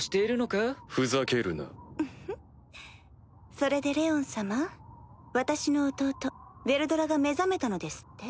それでレオン様私の弟ヴェルドラが目覚めたのですって？